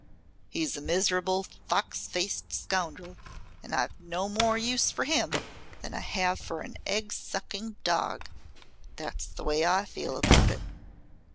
"He's a miserable, fox faced scoundrel, and I've no more use for him than I have for an egg sucking dog. That's the way I feel about it."